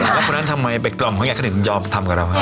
แล้วคนนั้นทำไมเป็นกรอบของเขาอยากให้หนึ่งยอมทำกับเรา